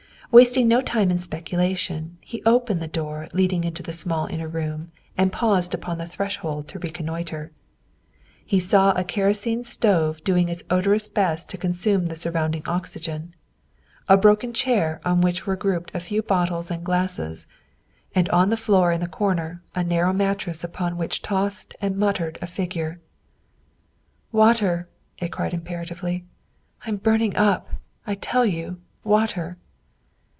Wasting no time in speculation, he opened the door leading into the small inner room and paused upon the threshold to reconnoitre. He saw a kerosene stove doing its odorous best to consume the surrounding oxygen, a broken chair on which were grouped a few bottles and glasses, and upon the floor in the corner a narrow mattress upon which tossed and muttered a figure. '' Water !" it cried imperatively. " I 'm burning up, I tell ,you water!"